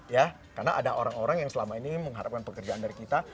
ya karena ada orang orang yang selama ini mengharapkan pekerjaan dari kita